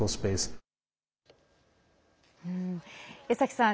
江崎さん